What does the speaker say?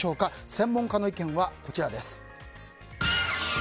専門家の意見はこちらです。